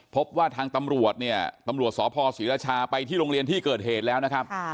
พบว่าทางตำรวจเนี่ยตำรวจสพศรีราชาไปที่โรงเรียนที่เกิดเหตุแล้วนะครับ